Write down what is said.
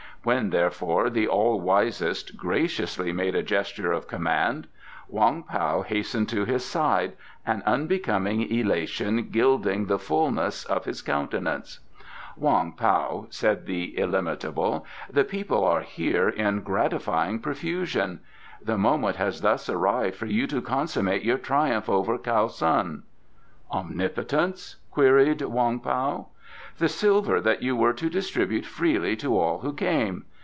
When, therefore, the all wisest graciously made a gesture of command, Wong Pao hastened to his side, an unbecoming elation gilding the fullness of his countenance. "Wong Pao," said the Illimitable, "the people are here in gratifying profusion. The moment has thus arrived for you to consummate your triumph over Kiau Sun." "Omnipotence?" queried Wong Pao. "The silver that you were to distribute freely to all who came.